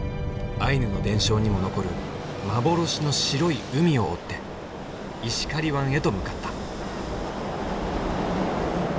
アイヌの伝承にも残る幻の白い海を追って石狩湾へと向かった。